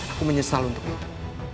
aku menyesal untuk itu